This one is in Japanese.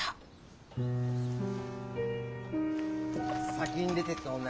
先に出てった女